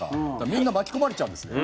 みんな巻き込まれちゃうんですね。